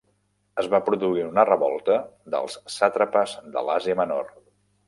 Es va produir una revolta dels sàtrapes de l'Àsia Menor.